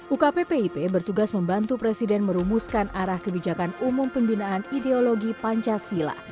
ukppip bertugas membantu presiden merumuskan arah kebijakan umum pembinaan ideologi pancasila